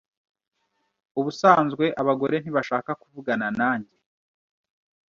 Ubusanzwe abagore ntibashaka kuvugana nanjye.